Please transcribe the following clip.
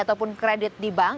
ataupun kredit di bank